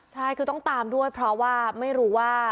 ใช่คือต้องตามด้วยเพราะว่าไม่รู้ว่า